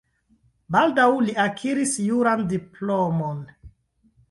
Baldaŭ li akiris juran diplomon.